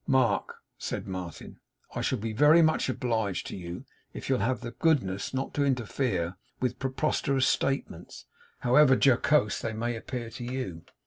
'Mark,' said Martin, 'I shall be very much obliged to you if you'll have the goodness not to interfere with preposterous statements, however jocose they may appear to you.